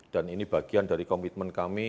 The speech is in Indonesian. dan ini bagian dari komitmen kami